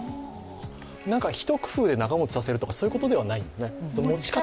なんか一工夫で長持ちさせるとか、そういうことじゃないんですね。